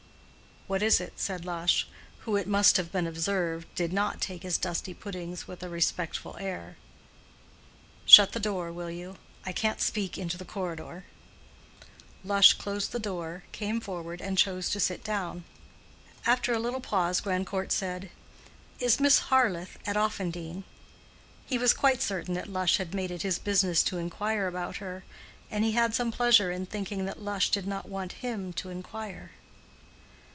"What is it?" said Lush, who, it must have been observed, did not take his dusty puddings with a respectful air. "Shut the door, will you? I can't speak into the corridor." Lush closed the door, came forward, and chose to sit down. After a little pause Grandcourt said, "Is Miss Harleth at Offendene?" He was quite certain that Lush had made it his business to inquire about her, and he had some pleasure in thinking that Lush did not want him to inquire.